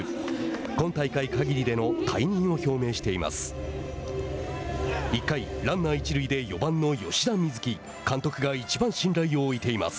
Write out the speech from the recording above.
今大会かぎりでの退任を表明しています。